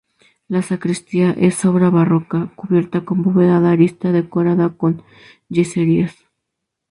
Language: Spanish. La Sacristía es obra barroca, cubierta con bóveda de arista decorada con yeserías.